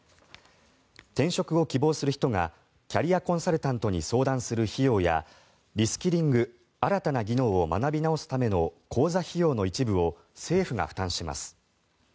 転職を希望する人がキャリアコンサルタントに相談する費用やリスキリング新たな技能を学び直すための講座費用の一部を政府が負担します。